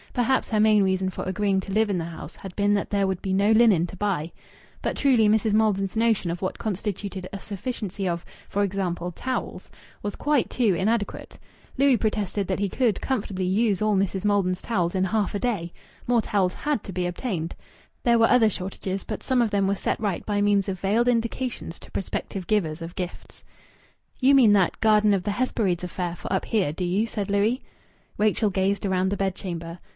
Perhaps her main reason for agreeing to live in the house had been that there would be no linen to buy. But truly Mrs. Maldon's notion of what constituted a sufficiency of for example towels, was quite too inadequate. Louis protested that he could comfortably use all Mrs. Maldon's towels in half a day. More towels had to be obtained. There were other shortages, but some of them were set right by means of veiled indications to prospective givers of gifts. "You mean that 'Garden of the Hesperides' affair for up here, do you?" said Louis. Rachel gazed round the bedchamber.